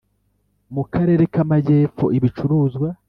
mu karere ka majyepfo, ibicuruzwa